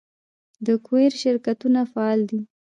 د کوریر شرکتونه فعال دي؟